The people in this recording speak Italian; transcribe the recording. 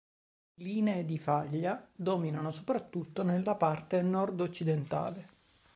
Linee di faglia dominano soprattutto nella parte nord-occidentale.